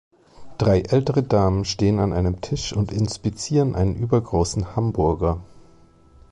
Drei ältere Damen stehen an einem Tisch und inspizieren einen übergroßen Hamburger.